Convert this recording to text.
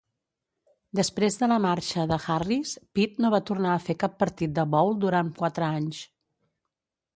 Després de la marxa de Harris, Pitt no va tornar a fer cap partit de bowl durant quatre anys.